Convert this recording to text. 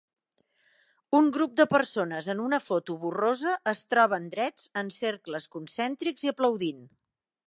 Un grup de persones en una foto borrosa es troben drets en cercles concèntrics i aplaudint.